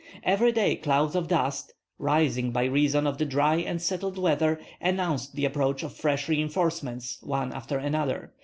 Every day clouds of dust, rising by reason of the dry and settled weather, announced the approach of fresh reinforcements one after another.